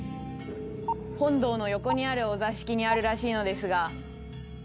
「本堂の横にあるお座敷にあるらしいのですが」